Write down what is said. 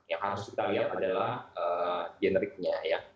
yang harus kita lihat adalah generiknya ya